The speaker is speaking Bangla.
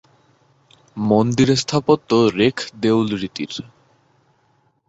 মন্দির স্থাপত্য রেখ-দেউলরীতির।